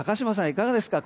いかがですか？